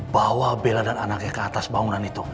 bawa bela dan anaknya ke atas bangunan itu